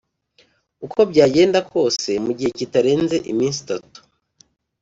Uko byagenda kose mu gihe kitarenze iminsi itatu